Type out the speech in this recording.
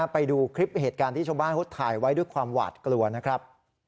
ไปดูคลิปเหตุการณ์ที่ชาวบ้านเขาถ่ายไว้ด้วยความหวาดกลัวนะครับ